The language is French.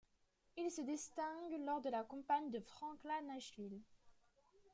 Il se distingue lors de la campagne de Franklin-Nashville.